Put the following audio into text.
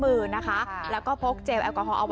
โดนโรงคนไทยใส่หน้ากากอนามัยป้องกันโควิด๑๙กันอีกแล้วค่ะ